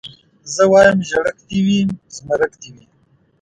زه وايم ژړک دي وي زمرک دي وي